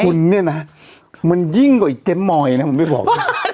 คุณเนี่ยนะมันยิ่งกว่าไอ้เจ๊มอยนะผมไม่บอก